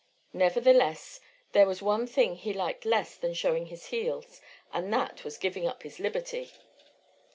Nevertheless there was one thing he liked less than showing his heels, and that was giving up his liberty.